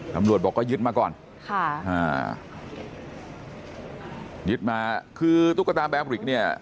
ตำรวจบอกก็ยึดมาก่อนค่ะอ่ายึดมาคือตุ๊กตาแบริกเนี่ย